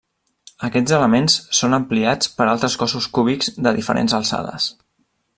Aquests elements són ampliats per altres cossos cúbics de diferents alçades.